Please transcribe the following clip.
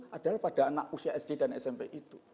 padahal pada anak usia sd dan smp itu